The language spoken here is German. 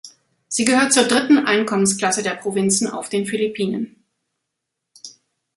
Sie gehört zur dritten Einkommensklasse der Provinzen auf den Philippinen.